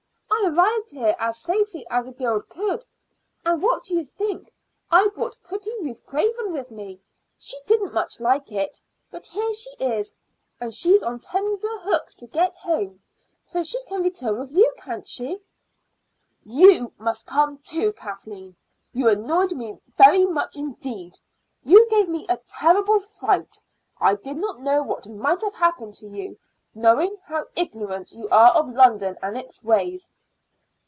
I arrived here as safely as a girl could. And what do you think? I brought pretty Ruth Craven with me. She didn't much like it, but here she is; and she's on tenter hooks to get home, so she can return with you, can't she?" "You must come too, Kathleen. You annoyed me very much indeed. You gave me a terrible fright. I did not know what might have happened to you, knowing how ignorant you are of London and its ways."